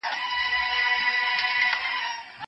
يو سړی په برخي کي پرمختګ کوي.